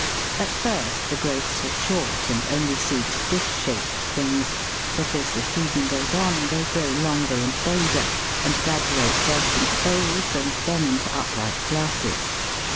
At first the growths are short and only suit dish shaped things, but as the season goes on they grow longer and bolder, and graduate first into bowls and then into upright glasses.